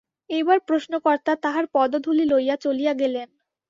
এইবার প্রশ্নকর্তা তাঁহার পদধূলি লইয়া চলিয়া গেলেন।